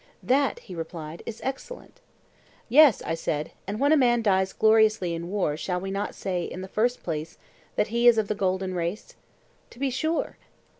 That, he replied, is excellent. Yes, I said; and when a man dies gloriously in war shall we not say, in the first place, that he is of the golden race? To be sure.